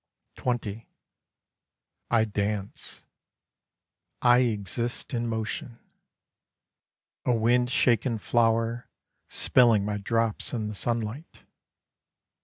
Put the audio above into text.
XX I dance: I exist in motion: A wind shaken flower spilling my drops in the sunlight.